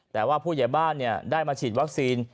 แต่ว่าผู้ใหญ่บ้านได้มาฉีดวัคซีน